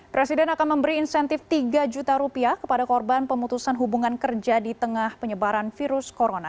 presiden akan memberi insentif tiga juta rupiah kepada korban pemutusan hubungan kerja di tengah penyebaran virus corona